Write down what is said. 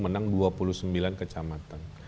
menang dua puluh sembilan kecamatan